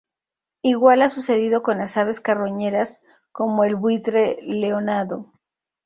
Igual ha sucedido con las aves carroñeras como el buitre leonado.